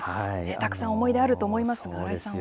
たくさん思い出あると思いますが、新井さんは。